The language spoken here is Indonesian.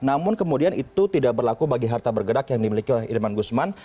namun kemudian itu tidak berlaku bagi harta bergerak yang dimiliki oleh irman gusman